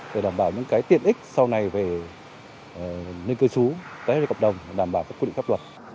để đảm bảo những cái tiện ích sau này về nơi cư xú tế hệ cộng đồng đảm bảo các quy định pháp luật